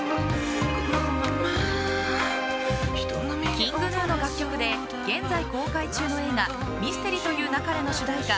ＫｉｎｇＧｎｕの楽曲で現在公開中の映画「ミステリと言う勿れ」の主題歌